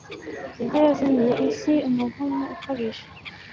Eva yazaniye isi umuvumo ukabije